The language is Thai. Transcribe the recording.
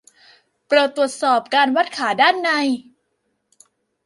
โปรดตรวจสอบการวัดขาด้านใน